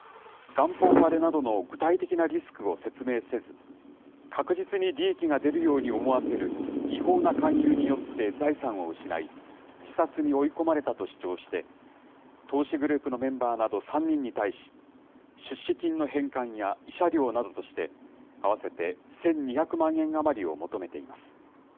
元本割れなどの具体的なリスクを説明せず、確実に利益が出るように思わせる違法な勧誘によって財産を失い、自殺に追い込まれたと主張して、投資グループのメンバーなど３人に対し、出資金の返還や慰謝料などとして、合わせて１２００万円余りを求めています。